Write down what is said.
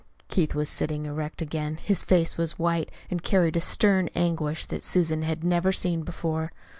Keith was sitting erect again. His face was white, and carried a stern anguish that Susan had never seen before.